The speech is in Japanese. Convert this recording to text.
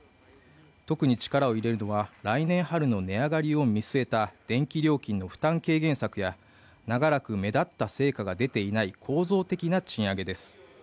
特に力を入れるのは来年春の値上がりを見据えた電気料金の負担軽減策や長らく目立った成果が出ていない構造的な賃上げです。